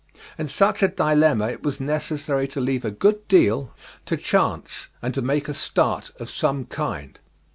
In such a dilemma it was necessary to leave a good deal to chance, and to make a start of some kind.